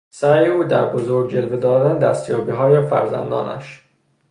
سعی او در بزرگ جلوه دادن دستیابیهای فرزندانش